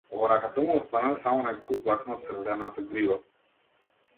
Во раката му останале само неколку влакна од сребрената грива.